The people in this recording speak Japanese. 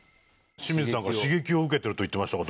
清水さんから刺激を受けてると言ってましたが。